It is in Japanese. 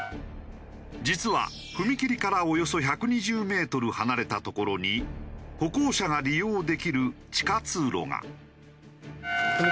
実は踏切からおよそ１２０メートル離れた所に歩行者が利用できる地下通路が。